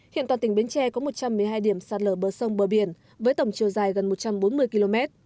hiện toàn tỉnh bến tre có một trăm một mươi hai điểm sạt lở bờ sông bờ biển với tổng chiều dài gần một trăm bốn mươi km